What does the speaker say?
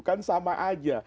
kan sama aja